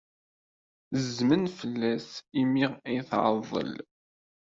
Zzmen fell-as imi ay tɛeḍḍel.